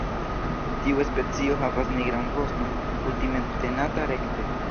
Tiu specio havas nigran voston kutime tenata rekte.